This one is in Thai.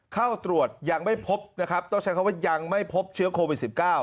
เข้าตรวจยังไม่พบนะครับต้องใช้คำว่ายังไม่พบเชื้อโควิด๑๙